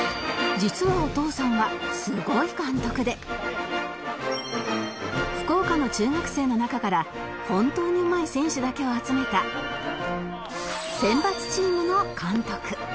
実はお父さんはすごい監督で福岡の中学生の中から本当にうまい選手だけを集めた選抜チームの監督